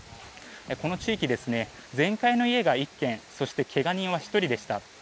この地域、全壊の家が１軒そして怪我人は１人でした。